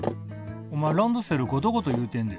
お前ランドセルゴトゴト言うてんで。